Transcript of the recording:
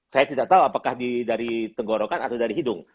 saya tidak tahu apakah dari tenggorokan atau dari hidung